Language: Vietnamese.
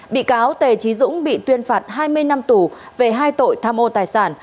bị cáo t chí dũng bị tuyên phạt hai mươi năm tù về hai tội tham ô tài sản